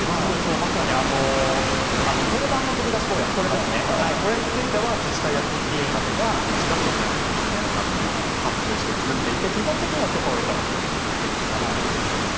定番の飛び出し坊やについては自治体やＰＴＡなどが滋賀県にある看板屋さんに発注して作っていて基本的には許可を得た場所に設置されているそうです。